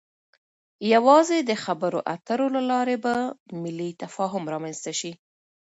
يوازې د خبرو اترو له لارې به ملی تفاهم رامنځته شي.